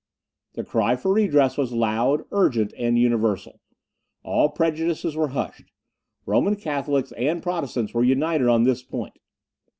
The cry for redress was loud, urgent, and universal; all prejudices were hushed; Roman Catholics and Protestants were united on this point.